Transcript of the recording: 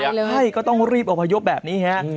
ใช่ก็ต้องรีบอพยพแบบนี้ฮะ